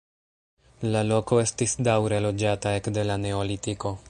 La loko estis daŭre loĝata ekde la neolitiko.